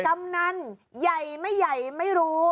กำนันใหญ่ไม่ใหญ่ไม่รู้